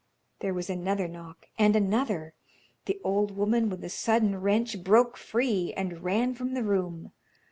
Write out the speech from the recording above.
There was another knock, and another. The old woman with a sudden wrench broke free and ran from the room.